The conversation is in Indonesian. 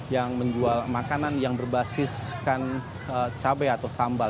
yang menjual makanan yang berbasiskan cabai atau sambal